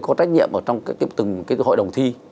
có trách nhiệm ở trong từng hội đồng thi